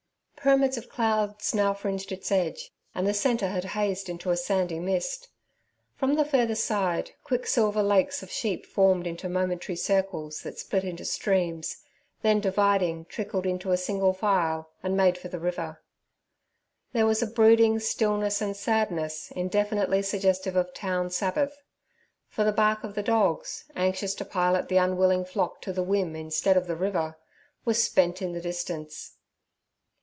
Pyramids of clouds now fringed its edge, and the centre had hazed into a sandy mist. From the further side, quicksilver lakes of sheep formed into momentary circles that split into streams, then, dividing, trickled into single file and made for the river. There was a brooding stillness and sadness indefinitely suggestive of town Sabbath; for the bark of the dogs, anxious to pilot the unwilling flock to the wim instead of the river, was spent in the distance.